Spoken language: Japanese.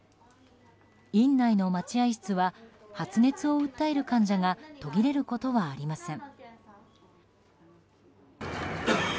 院内の待合室は発熱を訴える患者が途切れることはありません。